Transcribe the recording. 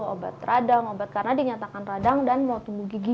obat radang obat karena dinyatakan radang dan mau tumbuh gigi